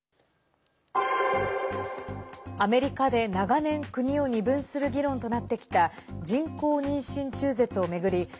アメリカで長年国を二分する議論となってきた人工妊娠中絶を巡り